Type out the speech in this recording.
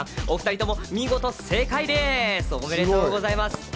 おめでとうございます。